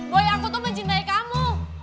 boy aku tuh mencintai kamu